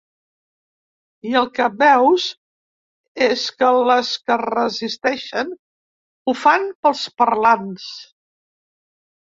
I el que veus és que les que resisteixen ho fan pels parlants.